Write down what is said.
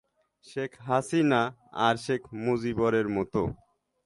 শেখ হাসিনা আর শেখ মুজিবের মতো?